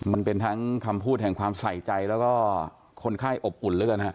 มันเป็นทั้งคำพูดแห่งความใส่ใจแล้วก็คนไข้อบอุ่นแล้วกันฮะ